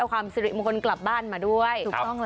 เอาความสิริมงคลกลับบ้านมาด้วย